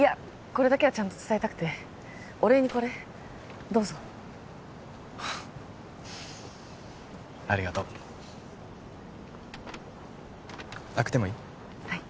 これだけはちゃんと伝えたくてお礼にこれどうぞありがとう開けてもいい？